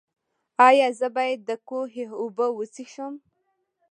ایا زه باید د کوهي اوبه وڅښم؟